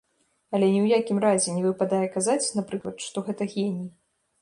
Але ні ў якім разе не выпадае казаць, напрыклад, што гэта геній.